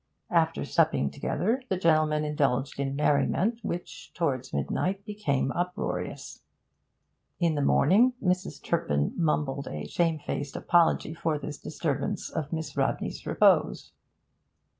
After supping together, the gentlemen indulged in merriment which, towards midnight, became uproarious. In the morning Mrs. Turpin mumbled a shamefaced apology for this disturbance of Miss Rodney's repose.